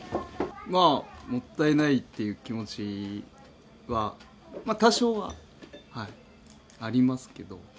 まあもったいないっていう気持ちは多少ははいありますけど。